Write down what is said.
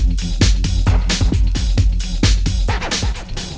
mereka gak mau sekolah lagi